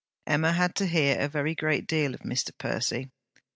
Emma had to hear a very great deal of Mr. Percy.